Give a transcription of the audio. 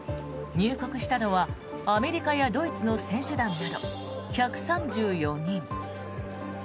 入国したのはアメリカやドイツの選手団など１３４人。